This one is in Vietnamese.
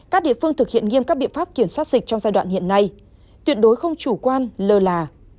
các địa phương thực hiện nghiêm các biện pháp kiểm soát dịch trong giai đoạn hiện nay tuyệt đối không chủ quan lơ là